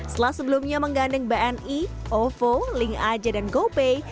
setelah sebelumnya menggandeng bni ovo link aja dan gopay